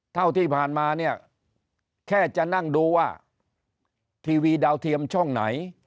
เท่าที่ผ่านมาเนี่ยแค่จะนั่งดูว่าทีวีดาวเทียมช่องไหน